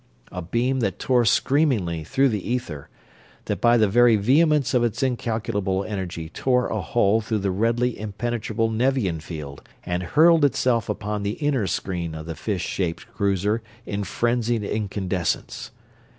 A beam that tore screamingly through the ether; that by the very vehemence of its incalculable energy tore a hole through the redly impenetrable Nevian field and hurled itself upon the inner screen of the fish shaped cruiser in frenzied incandescence.